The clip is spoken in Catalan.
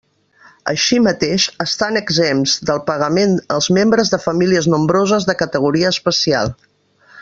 Així mateix, estan exempts del pagament els membres de famílies nombroses de categoria especial.